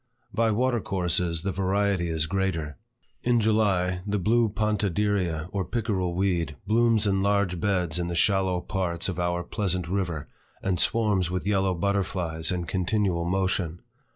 By water courses, the variety is greater. In July, the blue pontederia or pickerel weed blooms in large beds in the shallow parts of our pleasant river, and swarms with yellow butterflies in continual motion.